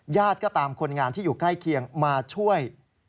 ก็ตามคนงานที่อยู่ใกล้เคียงมาช่วย